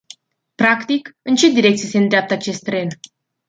Practic, în ce direcție se îndreaptă acest tren?